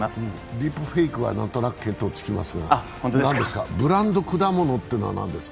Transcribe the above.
ディープフェイクは何となく見当が付きますが、ブランド果物というのは何ですか？